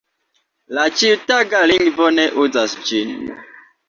La ĉiutaga lingvo ne uzas ĝin.